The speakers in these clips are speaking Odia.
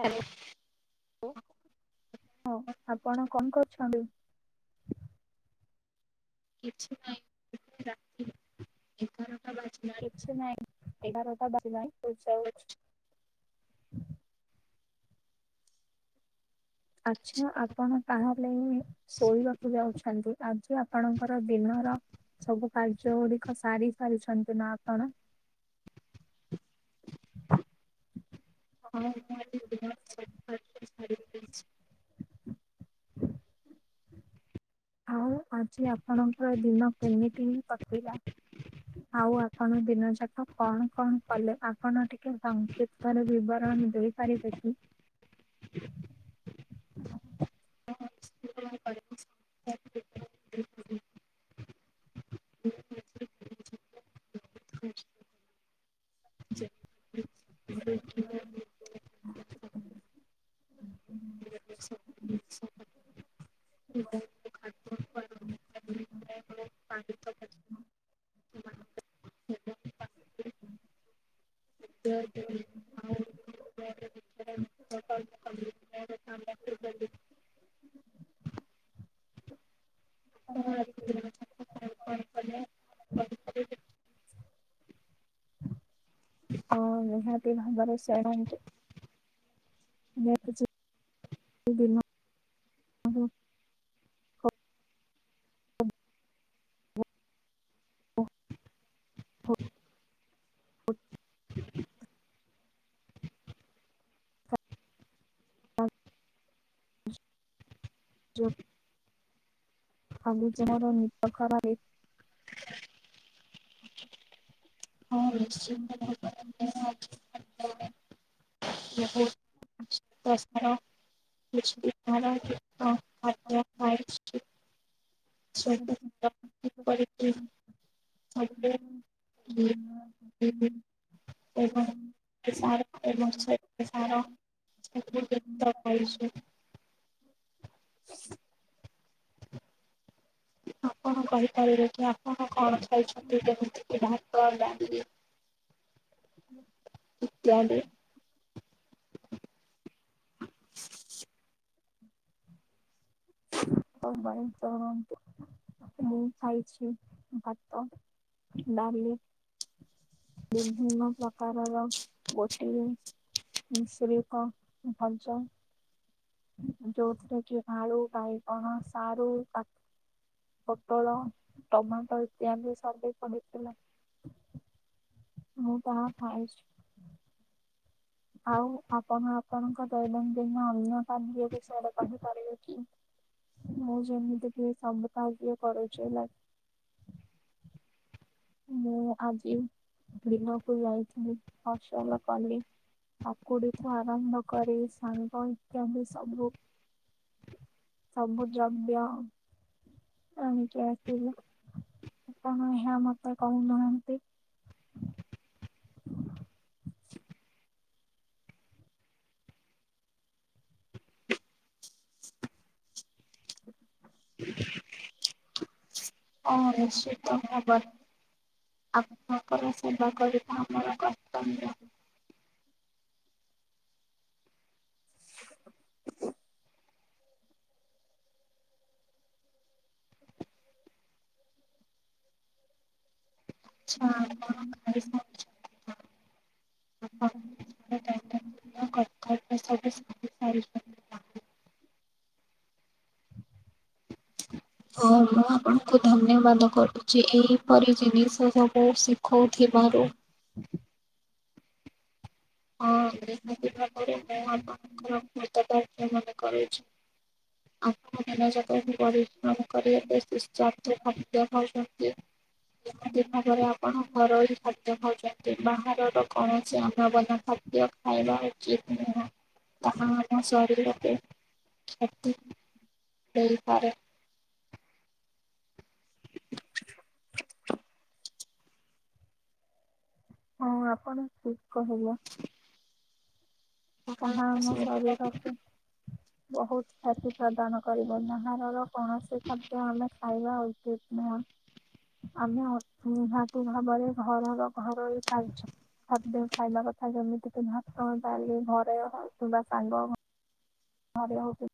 ହାଲୋ ହଁ ଆପଣ କଣ କରୁଛନ୍ତି? କିଛି ନାହିଁ। [inaudible] ହେଛ ନାଇଁ ଏଗାରଟା ବାଜିଲାଣି [inaudible] ଯାଉ। ଆଚ୍ଛା ଆପଣ ତାହାଲେ। ଶୋଇବାକୁ ଯାଉଛନ୍ତି ଆଜି ଆପଣଙ୍କର ଦିନର ସବୁ କାର୍ଯ୍ୟ ଗୁଡିକ ସାରି ସାରିଛନ୍ତି ନା ଆପଣ? [unintelligible] [unintelligible] ଆଉ ଆଜି ଆପଣଙ୍କର ଦିନ କେମିତି ହିଁ କଟିଲା। ଆଉ ଆପଣ ଦିନ ଯାକ କଣ କଣ କଲେ ଆପଣ ଟିକେ ସଂକ୍ଷ୍ ର ବିବରଣ ଦେଇପାରିବେ କି? [unintelligible] [inaudible] [unintelligible] [unintelligible] [inaudible] ଆପଣ [inaudible] ଫୋନ୍ କଲେ ହଁ ନିହାତି ଭାବରେ। [inaudible] [inaudible] [inaudible] ଯୋ। [unintelligible] ହଁ ନିଶ୍ଚିତ। [inaudible] [inaudible] [inaudible] ସବୁ ବେସାହାରା। [inaudible] ଆଇସ୍ୱ। କଣ କହିପାରିବେ କି ଆପଣ କଣ ଖାଇଛନ୍ତି ଯେମିତି କିି ଭାତ ଡାଲି। ହୁଁ। ଇତ୍ୟାଦି। [unintelligible] ମୁଁ ଖାଇଛି ଭାତ ଡାଲି। ବିଭିନ୍ନ ପ୍ରକାରର ଗୋଟି [unintelligible] ଯୋଉଥୀରେକି ଆଳୁ ବାଇଗଣ ସାରୁ ପୋଟଳ ଟମାଟୋ ଇତ୍ୟାଦି ସବୁ ପଡିଥିଲା। ମୁଁ କଣ ଖାଇଛି? ଆଉ ଆପଣ ଆପଣଙ୍କ ଦୈନନ୍ଦିନ ଅନ୍ୟ ଖାଦ୍ଯ ବିଷୟରେ କହି ପାରିବେ କି? ମୁଁ ଯେମିତି କି ସବୁ କାର୍ଯ୍ୟ କରୁଛି। ମୁଁ ଆଜି ଦିନପ ଯାଇଥିଲି ଫସଲ କଲି। ଆକୁଡିଠୁ ଆରମ୍ଭ କରି ସାଙ୍ଗ ଇତ୍ୟାଦି ସବୁ ସବୁ ଦ୍ରବ୍ୟ। ଏଣିକି ଆସିବୁ [unintelligible] କହୁନାହା ନ୍ତି। ଓଁ ନିଶ୍ଚିତ ମୋବାର ଆପଣଙ୍କର ସେବା କରିବା ଆମର କର୍ତ୍ତବ୍ୟ। ଆଚ୍ଛା ହୁଁ ଆପଣ ହୁଁ ଖାଇସାରିଛନ୍ତି ଆପଣ ହଁ ମେଶ୍ରବିସ [unintelligible] ହଁ ମୁଁ ଆପଣଙ୍କୁ ଧନ୍ୟବାଦ କରୁଛି ଏହିପରି ଜିନିଷ ସବୁ ଶିଖଉଥିବାରୁ। ହଁ [inaudible] ମୁଁ ଆପଣ ଙ୍କ ପ୍ରକୃତ [unintelligible] ମାନେ କରୁଛି। ଆଣ ମ [inaudible] ଯ ପରିଶ୍ରମ କରି ଖା୍ୟ ଖାଉଛନ୍ତି ଯେମତି ଭାବରେ ଆପଣ ଘରୋଇ ଖାଦ୍ୟ ଖାଉଛନ୍ତି ବାହାରର କୌଣସି ଅନାବନା ଖାଦ୍ୟ ଖାଇବା ଉଚିତ ନୁହେଁ ତାହା ଆମ ଶରୀରରେ ସେଠି ଖେଳି ପରେ ହଁ ଆପଣ ଠିକ କହିଲେ। ତାହା ଆମୋ ଶରୀରକୁ ବହୁତ କ୍ଷତି ପ୍ରଦାନ କରିବ ବାହାରର କୌଣସି ଖାଦ୍ୟ ଆମେ ଖାଇବା ଉଚିତ୍ ନୁହଁ। ଆମେ ନିହାତି ଭାବରେ ଘରର ଘରୋଇ ଖାଦ୍ୟ। ସାତଦିନ ଖାଇବା କଥା ଯେମିତି କି ଭାତ ଡାଲି ଘରେ କିମ୍ବା ଶାଗ ଘରେ ହେଉକି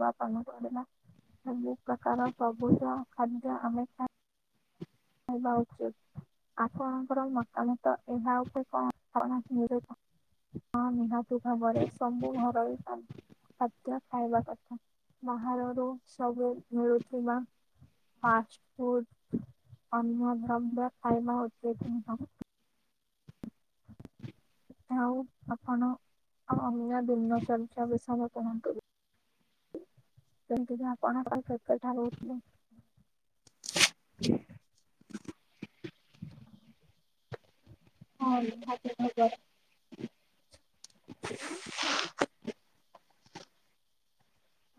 ବା ପଡ଼ିଲ ସବୁ ପ୍ରକାର ସବୁଜ ଖାଦ୍ୟ ଆମେ ଖ ହେବା ଉଚିତ। ଆପଣଙ୍କର ମତମତ ଏହା ଉପରେ କଣ କଣ? ହଁ ନିହାତି ଭାବରେ ସବୁ ଘରୋଇ ଖାଦ୍ୟ ଖାଇବା କଥା ବାହାରରୁ ସବୁ ମିଳୁଥିବା ଫାଷ୍ଟ ଫୁଡ୍। ଅନ୍ନ ଦ୍ରବ୍ୟ ଖାଇବା ଉଚିତ୍ ନୁହଁ। ଆଉ ଆପଣ ଆଉ ଅନ୍ୟ ଦିନ ଚର୍ଯ୍ୟା ବିଷୟ କୁହନ୍ତୁ। ସେମିତି କା ଆପଣଙ୍କ [unintelligible] ରହୁଥିଲେ। ହଁ [unintelligible]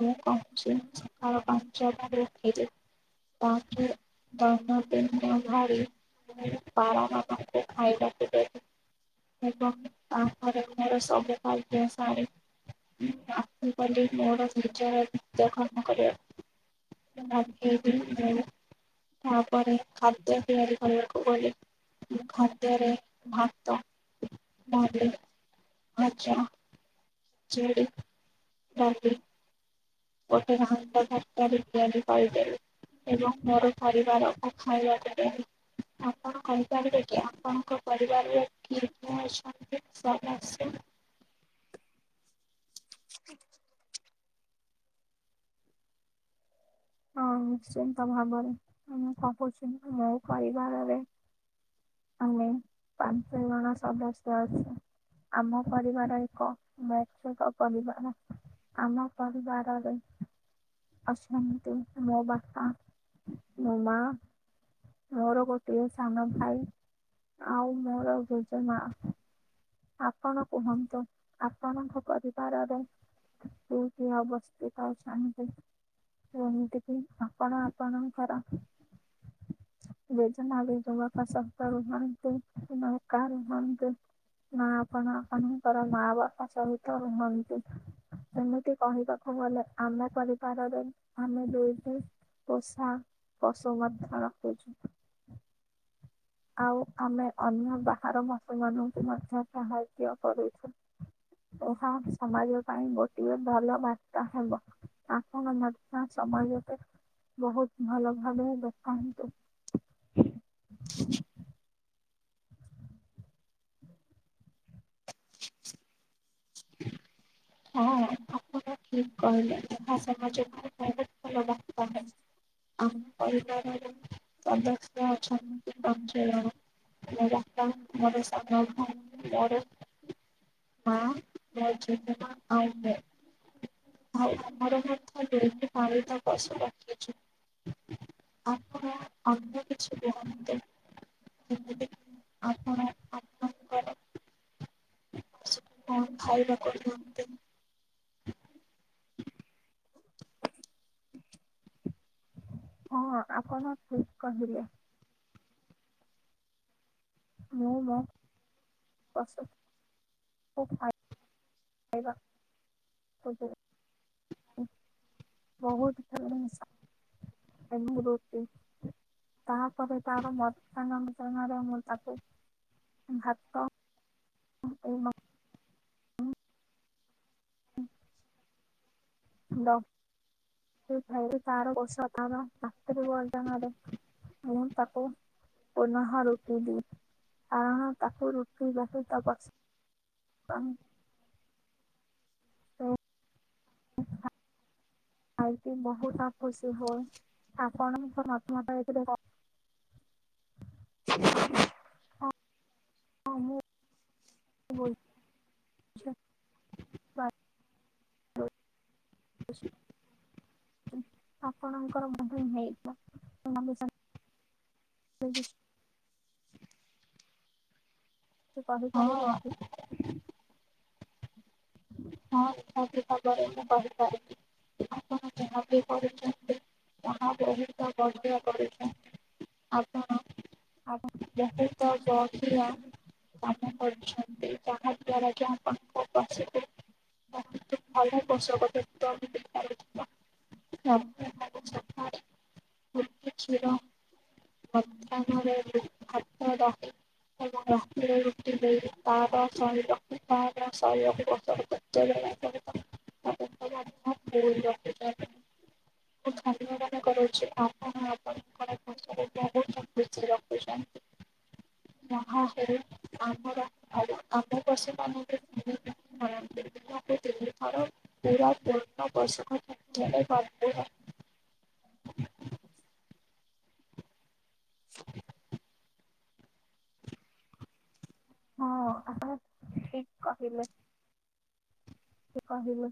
ମୁଁ କରୁଛି। [unintelligible] [unintelligible] ପାରା ମାନଙ୍କୁ ଖାଇବାକୁ ଦେବି। ହେବ ତାପରେ ମୋର ସବୁ କାର୍ଯ୍ୟ ସାରି ଆସି ଗଲି ମୋର ନିଜର ନିତ୍ୟ କର୍ମ କରିବାକୁ [unintelligible] ତାପରେ ଖାଦ୍ୟ ତିଆରି କରିବାକୁ ଗଲେ ଖାଦ୍ୟରେ ଭାତ ଡାଲି ଭଜା [inaudible] [unintelligible] ଡାଲି ଗୋଟେ ଘାଣ୍ଟ ତରକାରୀ ତିଆରି କରିଦେଲି ଏବଂ ମୋର ପରିବାର ଖାଇବାକୁ ଦେଲି। ଆପଣ କହିପାରିବେକି ଆପଣଙ୍କ ପରିବାରରେ କିଏ କିଏ ଅଛନ୍ତି ସଦସ୍ୟ [inaudible] ହଁ ନିଶ୍ଚିନ୍ତ ଭାବରେ ମୁଁକହୁଛି ମୋ ପରିବାରରେ ଆମେ ପାଞ୍ଚ ଜଣ ସଦସ୍ୟ ଅଛୁ। ଆମ ପରିବାର ଏକ ମ୍ୟାଚକ୍ ପରିବାର। ଆମ ପରିବାରରେ ଅଛନ୍ତି। [unintelligible] ମୋ ବାପା ମୋ ମା ମୋର ଗୋଟିଏ ସାନ ଭାଇ ଆଉ ମୋର ଜେଜେମା। ଆପଣ କୁହନ୍ତୁ ଆପଣଙ୍କ ପରିବାରରେ କିଏ କିଏ ଅବସ୍ଥିତ ଅଛନ୍ତି। ଏମିତିକି ଆପଣ ଆପଣଙ୍କର ଜେଜେମା ଜେଜେବାପା ସହିତ ରୁହନ୍ତି ନା ଏକା ରୁହନ୍ତି? ନା ଆପଣ ଆପଣଙ୍କର ମାଆ ବାପା ସହିତ ରୁହନ୍ତି? ଏମିତି କହିବାକୁ ଗଲେ ଆମ ପରିବାରରେ ଆମେ ଦୁଇଟି ପୋଷା ପଶୁ ମଧ୍ୟ ରଖୁଛୁ। ଆଉ ଆମେ ଅନ୍ୟ ବାହାର ପଶୁ ମାନଙ୍କୁ ମ ତା ସାହାଯ୍ୟ କରୁଚୁ। ଏହା ସମାଜ ପାଇଁ ଗୋଟିଏ ଭଲ ବାର୍ତା ହେବ। ଆପଣ ମଧ୍ୟ ସମାଜରେ ବହୁତ୍ ଭଲ ଭାବରେ ଦେଖନ୍ତୁ। ହଁ ଆପଣ ଠିକ୍ କହିଲେ ଆମ ସମାଜକୁ ବହୁତ୍ ଭଲ ବାର୍ତ୍ତା ହୋଉ। ଆମ ପରିବାରରେ ସଦସ୍ୟ ହଁ, ଅଛନ୍ତି ପାଞ୍ଚଜଣ ବାପା ମୋର ସାନ ଭୋଉଣୀ ମୋର ମା ମୋ ଜେଜେମା ଆଉ ମୁଁ। ଆଉ ଆମର ମଧ୍ୟ ଦୁଇ ଟି ପାଳିତ ପଶୁ ରଖିଛୁ। ଆପଣ ଅନ୍ୟ କିଛି କୁହନ୍ତୁ? ଯେମିତି ଆପଣ [inaudible] ଆପଣଙ୍କର ପଶୁକୁ କଣ ଖାଇବା [unintelligible] ହଁ ଆପଣ ଠିକ୍ କହିଲେ। ମୁଁ ମୋ ପଶୁ [unintelligible] ଖାଇବା ବହୁତ୍ [unintelligible] ଏବଂ ରୁଟି ତାହାପରେ ତାର ମଧ୍ୟ୍ୟାନ ଭୋଜନରେ ମୁଁ ତାକୁ ଭାତ ଏବଂ ହ୍ୟାଲୋ। ଏ ଭାଇ ରେ ତାର ବର୍ଷ [unintelligible] ମୁଁ ତାକୁ ପନହା ରୁଟି ଦି [unintelligible] କାରଣ ତାକୁ ରୁଟି ବାକୁ ତା ପଛରେ ତ [unintelligible] ଆଇକି ବହୁତ ଆ ଖୁସି ହୁଁଏ ଆପଣ ମତ ମତଥିଲେ [unintelligible] ହଁ, ମୁଁ ଆଛା [unintelligible] ଆପଣଙ୍କର ମଧ୍ୟ୍ୟ ହେଇଥିବ [unintelligible] [unintelligible] କି ହଁ ହଁ କହିପାରିବେକି? ହଁ [inaudible] ବାରେ ମୁଁ କହିପାରିବି। ଆପଣ ଯାହାବି ବି କରୁଛନ୍ତି ତାହା ବହୁତ ବଢିଆ କରୁଛନ୍ତି। ଆପଣ ଆପଣ। ବହୁତ ବଢିଆ କାମ କରୁଛନ୍ତି ଯାହା ଦ୍ଵାରା କି ଆପଣଙ୍କ ପଛରେ ଭଲ କଷ କ [unintelligible] [inaudible] କିଛି ର ହୁଁ ହୁଁ ହୋଉ ର ରଷ୍ମୀ ରୁଟି ଦେଇକି ତାପ ଶରିରକୁ ତା ଶରିରକୁ ଗଛତେବେଳେ [unintelligible] [unintelligible] ମୁଁ ହୁଁ ହୁଁ। [inaudible] କରୁଛି ଆପଣ ଆପଣଙ୍କର ପଶୁକୁ ବହୁତ ଖୁସି ହଁ ସେଇ ଆମର ସେ କଣ ହଉଚି ହଁ [unintelligible] ସେ ତିନିଥର ପୁରା [unintelligible] ବୈଶାଖ ଭ [unintelligible] ହଁ ଆପଣ ଠିକ୍ କହିଲେ। ସିଏ କହିଲେ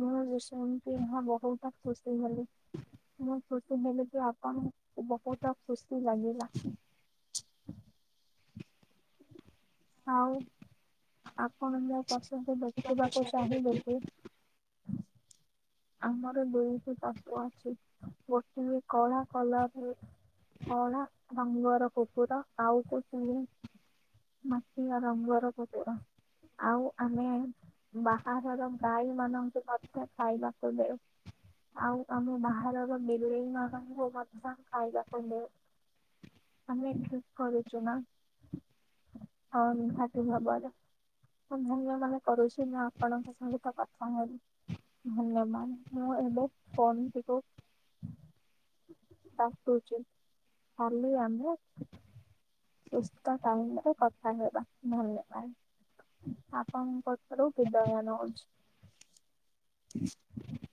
ମୁଁ ବିଶୟପିହା ବହୁତ ଖୁସି ହେଲି। ମୁଁ ଖୁସି ହେଲେ କି ଆପଣ ବହୁତ ଖୁସି ଲାଗିଲା। ଆଉ ଆପଣ ମୋ ପସନ୍ଦ ରଖିବାକୁ ଦେଖିବାକୁ ଚାହିଁ ଚାହିଁବେ ବେକି? ଆମର ଦୁଇଟି ପଶୁ ଅଛି ଗୋଟିଏ କଳା କଲ ରେ କଳା ରଙ୍ଗର କୁକୁର ଆଉ କୋଉ ମାଟିଆ ରଙ୍ଗର କୁକୁର। ଆଉ ଆମେ ବାହାରର ଗାଈ ମାନଙ୍କୁ ମଧ୍ୟ ଖାଇବା [inaudible] ଆଉ ଆମେ ବାହାରର ବିଲେଇ ମାନଙ୍କୁ ମଧ୍ୟ ଖାଇବାକୁ ଦେଉ। ଆମେ ଠିକ୍ କରୁଛୁ ନା? ହଁ ନିହାତି ଭାବରେ। ମୁଁ ଧନ୍ୟମନେ କରୁଛି ମୁଁ ଆପଣଙ୍କ ସହିତ କଥା ହେଲି। ଧନ୍ୟବାନ୍, ମୁଁ ଏବେ ଫୋନ୍ ଟିକୁ କାଟୁଚି, କାଲିଆମ୍ଭେ ସୁସ୍ଥ ଟାଇମ୍ ରେ କଥା ହେବା, ଧନ୍ୟବାଦ୍। ଆପଣଙ୍କ ଠାରୁ ବିଦାୟ ନଉଛି। [inaudible]